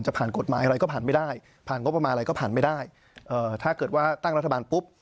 ผ่านกฎหมายอะไรก็ผ่านไม่ได้ผ่านงบประมาณอะไรก็ผ่านไม่ได้เอ่อถ้าเกิดว่าตั้งรัฐบาลปุ๊บ